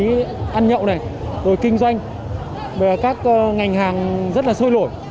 khí ăn nhậu này rồi kinh doanh các ngành hàng rất là sôi lổi